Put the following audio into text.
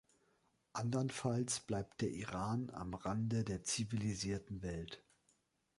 Andernfalls bleibt der Iran am Rande der zivilisierten Welt.